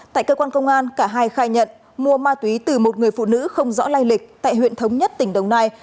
tại cơ quan công an cả hai khai nhận mua ma túy từ một người phụ nữ không rõ lai lịch tại huyện thống nhất tỉnh đồng nai